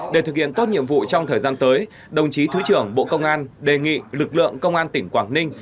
để thực hiện tốt nhiệm vụ trong thời gian tới đồng chí thứ trưởng bộ công an đề nghị lực lượng công an tỉnh quảng ninh